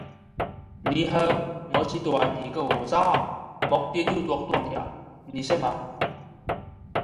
你好，我是大二的学生，目前要做作业，你会吗